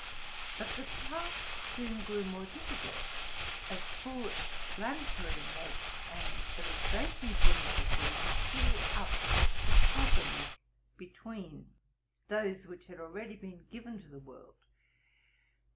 But the task soon grew more difficult, as full explanatory notes and illustrations were necessary to fill up the chasms between those which had already been given to the world.